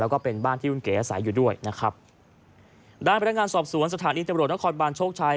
แล้วก็เป็นบ้านที่คุณเก๋อาศัยอยู่ด้วยนะครับด้านพนักงานสอบสวนสถานีตำรวจนครบานโชคชัย